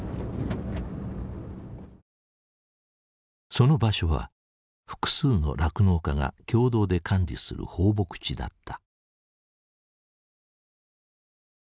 その場所は複数の酪農家が共同で管理する放牧地だった。